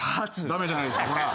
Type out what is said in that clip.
駄目じゃないですかほら。